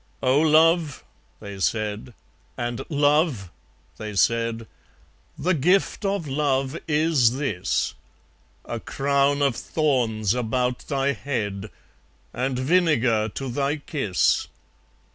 "Oh! Love," they said, and "Love," they said, "The gift of Love is this; A crown of thorns about thy head, And vinegar to thy kiss!"